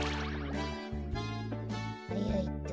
はいはいっと。